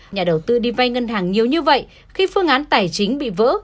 nhà đầu tư đi vay ngân hàng nhiều như vậy khi phương án tài chính bị vỡ